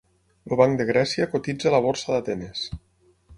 El Banc de Grècia cotitza a la Borsa d'Atenes.